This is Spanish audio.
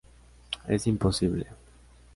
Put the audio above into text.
Es imposible!